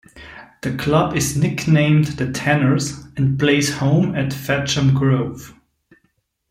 The club is nicknamed "The Tanners" and plays home at Fetcham Grove.